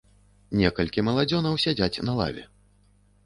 Некалькі маладзёнаў сядзяць на лаве.